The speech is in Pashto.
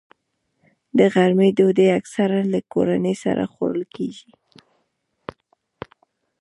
د غرمې ډوډۍ اکثره له کورنۍ سره خوړل کېږي